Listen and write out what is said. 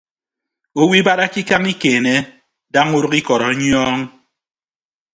Owo ibarake ikañ ikeene daña udʌk ikọt ọnyọọñ.